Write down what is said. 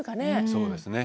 そうですね。